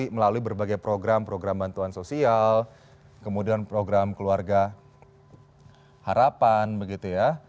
melalui berbagai program program bantuan sosial kemudian program keluarga harapan begitu ya